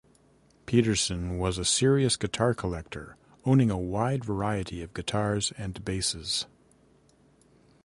Petersson is a serious guitar collector, owning a wide variety of guitars and basses.